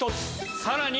さらに。